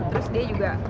terus dia juga